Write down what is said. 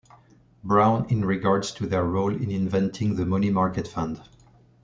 Brown in regards to their role in inventing the money market fund.